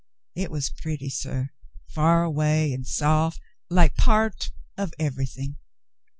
It was pretty, suh, far away and soft — like part — of everything.